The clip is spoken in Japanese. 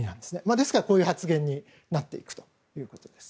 ですから、こういう発言になっていくということです。